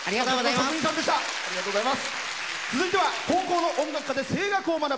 続いては高校の音楽科で声楽を学ぶ